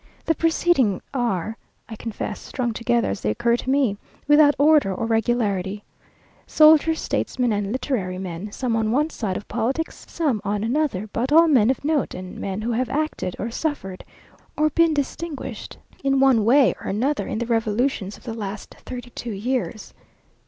The preceding are, I confess, strung together as they occur to me, without order or regularity; soldiers, statesmen, and literary men, some on one side of politics, some on another, but all men of note, and men who have acted, or suffered, or been distinguished in one way or another in the revolutions of the last thirty two years.